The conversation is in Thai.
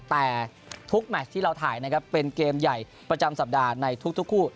แต่ทุกแมชที่เราถ่ายนะครับเป็นเกมใหญ่ประจำสัปดาห์ในทุกคู่